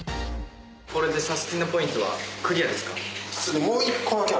これでサスティなポイントはクリアですか？